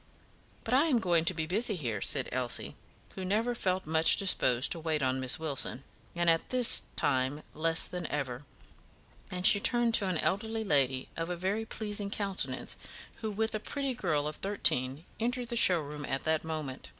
"But I am going to be busy here," said Elsie, who never felt much disposed to wait on Miss Wilson, and at this time less than ever; and she turned to an elderly lady, of a very pleasing countenance, who, with a pretty girl of thirteen, entered the showroom at that moment.